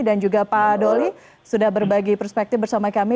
dan juga pak doli sudah berbagi perspektif bersama kami